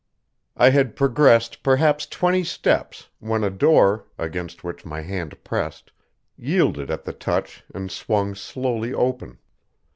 I had progressed perhaps twenty steps when a door, against which my hand pressed, yielded at the touch and swung slowly open.